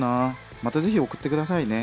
またぜひ送って下さいね。